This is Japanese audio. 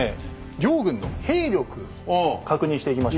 両軍の兵力確認していきましょうか。